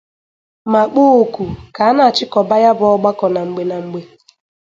ma kpọọ òkù ka a na-achịkọba ya bụ ọgbakọ na mgbe na mgbe